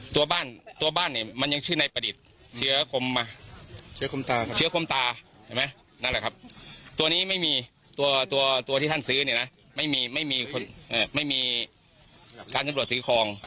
ตัวบ้านเนี่ยมันยังอยู่ในประดิษฐ์เชื้าก็มตาตัวนี้ไม่มีทั่วที่ท่านซื้อเนี่ยนะไม่มีการสำรวจถือคลอง